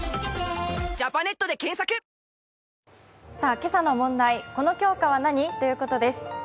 今朝の問題、この教科は何？ということです。